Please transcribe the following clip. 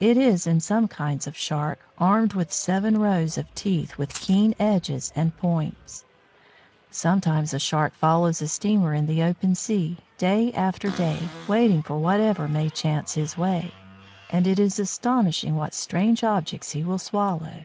It is, in some kinds of Shark, armed with seven rows of teeth with keen edges and points! Sometimes a Shark follows a steamer in the open sea, day after day, waiting for whatever may chance his way; and it is astonishing what strange objects he will swallow.